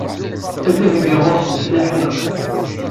Ad d-iheyyi ɣur-s leslaḥ ineqqen.